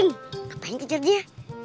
ngapain kicir dia